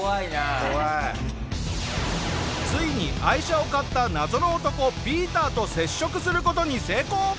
ついに愛車を買った謎の男ピーターと接触する事に成功！